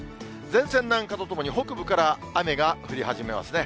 前線南下とともに、北部から雨が降り始めますね。